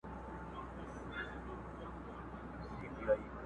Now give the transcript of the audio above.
o پردى کټ تر نيمي شپې دئ!